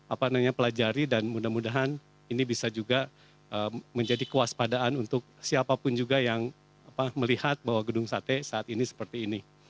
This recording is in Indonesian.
apa namanya pelajari dan mudah mudahan ini bisa juga menjadi kewaspadaan untuk siapapun juga yang melihat bahwa gedung sate saat ini seperti ini